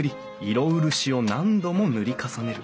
色漆を何度も塗り重ねる。